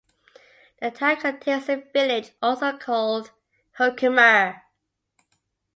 The town contains a village also called Herkimer.